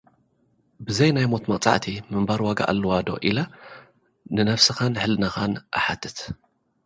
ብዘይ ናይ ሞት መቕጻዕቲ፡ ምንባር ዋጋ ኣለዋ ዶ? ኢለ ንነፍስኻን ሕልናኻን እሓትት።